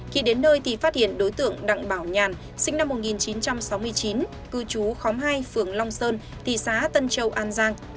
khi đến nơi thì phát hiện đối tượng đặng bảo nhàn sinh năm một nghìn chín trăm sáu mươi chín cư trú khóng hai phường long sơn thị xã tân châu an giang